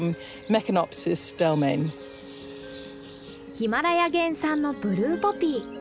ヒマラヤ原産のブルーポピー。